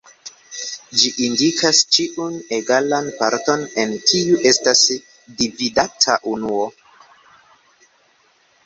Ĝi indikas ĉiun egalan parton en kiu estas dividata unuo.